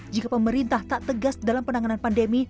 jika pemerintah tak tegas dalam penanganan pandemi